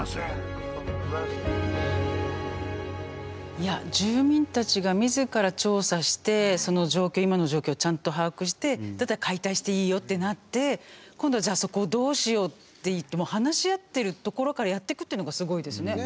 いや住民たちが自ら調査してその状況今の状況をちゃんと把握してだったら解体していいよってなって今度はじゃあそこをどうしようって言ってもう話し合ってるところからやってくっていうのがすごいですね。